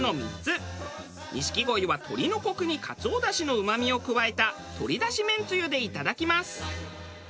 錦鯉は鶏のコクにかつおだしのうまみを加えた鶏だし麺つゆでいただきます。